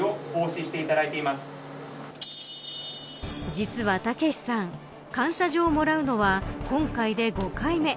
実は剛さん感謝状をもらうのは今回で５回目。